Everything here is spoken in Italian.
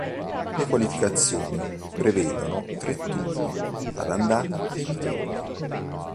Le qualificazioni prevedono tre turni ad andata e ritorno.